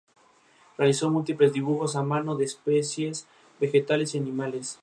Realizó múltiples dibujos a mano de especies vegetales y animales.